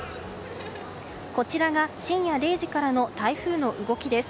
こちらが深夜０時からの台風の動きです。